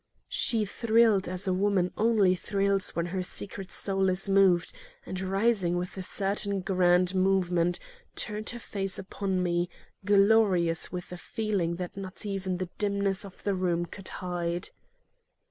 She thrilled as a woman only thrills when her secret soul is moved, and, rising with a certain grand movement, turned her face upon me, glorious with a feeling that not even the dimness of the room could hide.